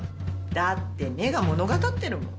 だって目が物語ってるもん。